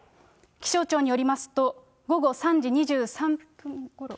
気象庁によりますと、午後３時２３分ごろ？